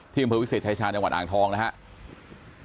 อำเภอวิเศษชายชาญจังหวัดอ่างทองนะครับ